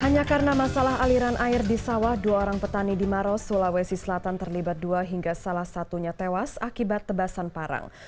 hanya karena masalah aliran air di sawah dua orang petani di maros sulawesi selatan terlibat dua hingga salah satunya tewas akibat tebasan parang